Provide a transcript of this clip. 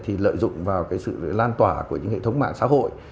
thì lợi dụng vào cái sự lan tỏa của những hệ thống mạng xã hội